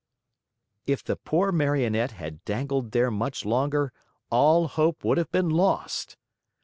If the poor Marionette had dangled there much longer, all hope would have been lost.